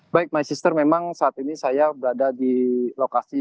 baik masister memang saat ini saya berada di lokasi